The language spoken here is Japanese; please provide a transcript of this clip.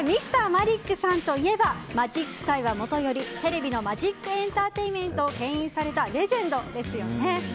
Ｍｒ．マリックさんといえばマジック界はもとよりテレビのマジックエンターテインメントをけん引されたレジェンドですよね。